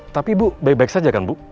tapi ibu baik baik saja kan bu